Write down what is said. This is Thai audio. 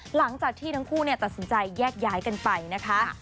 หลังจากที่ทั้งคู่ตัดสินใจแยกย้ายกันไปนะคะ